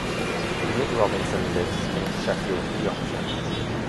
Nick Robinson lives in Sheffield, Yorkshire.